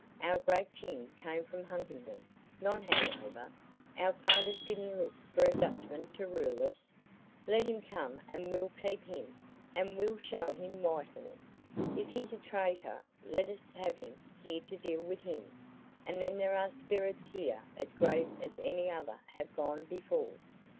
Our great King came from Huntingdon, not Hanover; our fathers didn't look for a Dutchman to rule us. Let him come and we'll keep him, and we'll show him Whitehall. If he's a traitor let us have him here to deal with him; and then there are spirits here as great as any that have gone before.